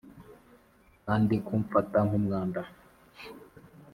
kandi kumfata nk'umwanda.